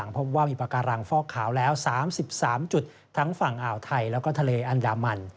พบว่ามีปากการังฟอกขาวแล้ว๓๓จุดทั้งฝั่งอ่าวไทยแล้วก็ทะเลอันดามัน